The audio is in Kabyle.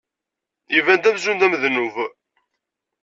Iban-d amzun d amednub.